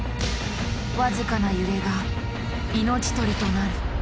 僅かな揺れが命取りとなる。